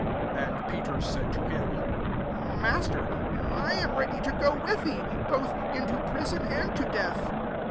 '' tS And Peter said to him, 'Maitcr, I am ready to go rith thee, both into prison and b death.'